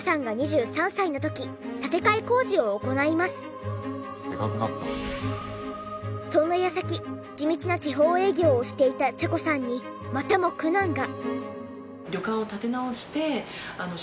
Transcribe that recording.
一方で茨城のそんな矢先地道な地方営業をしていた茶子さんにまたも苦難が！